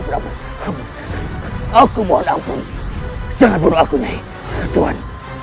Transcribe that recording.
aku aku aku aku aku aku mohon ampun jangan buruk aku nih tuan